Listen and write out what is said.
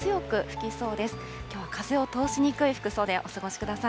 きょうは風を通しにくい服装でお過ごしください。